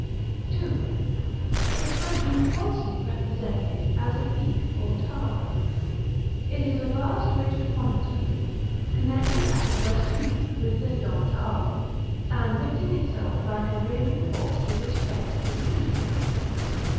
§ II. It has been falsely represented as a peak or tower. It is a vast ridged promontory, connected at its western root with the Dent d'Erin, and lifting itself like a rearing horse with its face to the east.